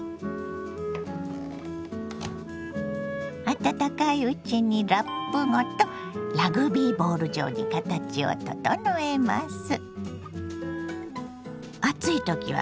温かいうちにラップごとラグビーボール状に形を整えます。